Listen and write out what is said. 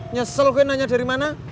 nyesel gue nanya dari mana